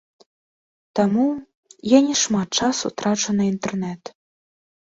Таму, я не шмат часу трачу на інтэрнэт.